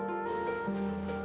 ya ma aku ngerti